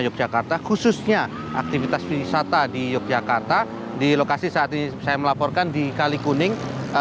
yogyakarta khususnya aktivitas wisata di yogyakarta di lokasi saat ini saya melaporkan di kalikuning